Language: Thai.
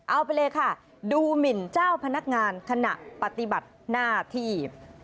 เอาไปเลยค่ะดูหมินเจ้าพนักงานขณะปฏิบัติหน้าที่